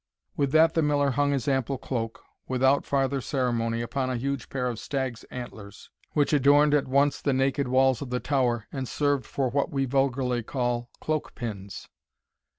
With that the Miller hung his ample cloak without farther ceremony upon a huge pair of stag's antlers, which adorned at once the naked walls of the tower, and served for what we vulgarly call cloak pins.